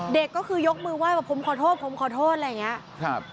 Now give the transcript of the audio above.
เด็กก็คือยกมือไหว้บอกผมขอโทษผมขอโทษอะไรอย่างเงี้ยครับ